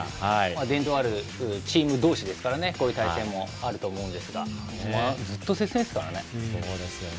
伝統あるチーム同士ですから、こういう体制もあると思うんですがずっと接戦ですからね。